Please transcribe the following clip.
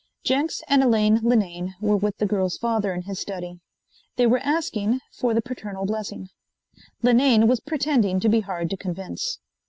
Jenks and Elaine Linane were with the girl's father in his study. They were asking for the paternal blessing. Linane was pretending to be hard to convince.